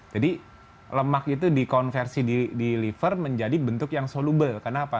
jadi lemak itu dikonversi di liver menjadi bentuk yang soluble kenapa